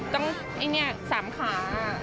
ต้องไอ้นี่สามขา